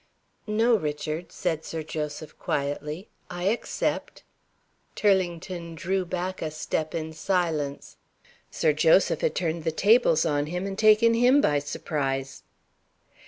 "No, Richard," said Sir Joseph, quietly, "I accept." Turlington drew back a step in silence. Sir Joseph had turned the tables on him, and had taken him by surprise.